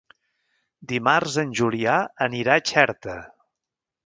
Dimarts en Julià anirà a Xerta.